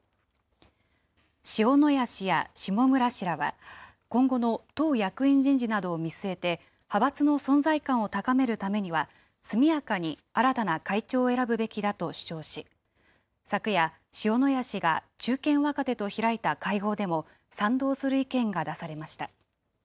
塩谷氏や下村氏らは、今後の党役員人事などを見据えて、派閥の存在感を高めるためには、速やかに新たな会長を選ぶべきだと主張し、昨夜、塩谷氏が中堅若手と開いた会合でも、賛同する意見が出されました。